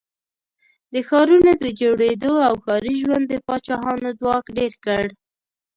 د ښارونو د جوړېدو او ښاري ژوند د پاچاهانو ځواک ډېر کړ.